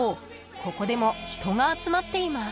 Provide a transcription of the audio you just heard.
ここでも人が集まっています］